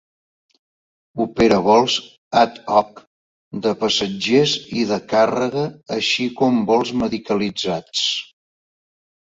Opera vols "ad hoc" de passatgers i de càrrega, així com vols medicalitzats.